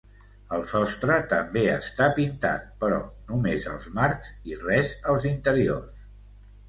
El sostre també està pintat, però només els marcs i res als interiors.